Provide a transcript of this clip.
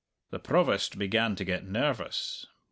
The Provost began to get nervous.